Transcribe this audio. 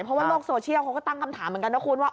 เพราะว่าโลกโซเชียลเขาก็ตั้งคำถามเหมือนกันนะคุณว่า